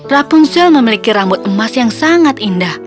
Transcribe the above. rapunzel memiliki rambut emas yang sangat indah